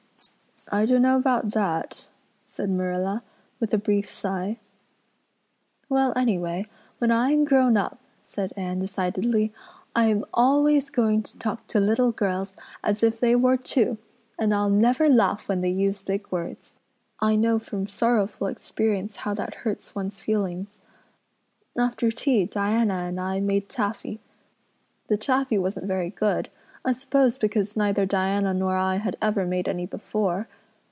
"I don't know about that," said Marilla, with a brief sigh. "Well, anyway, when I am grown up," said Anne decidedly, "I'm always going to talk to little girls as if they were too, and I'll never laugh when they use big words. I know from sorrowful experience how that hurts one's feelings. After tea Diana and I made taffy. The taffy wasn't very good, I suppose because neither Diana nor I had ever made any before.